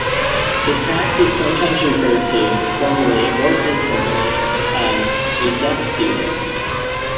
The tax is sometimes referred to, formally or informally, as a "death duty".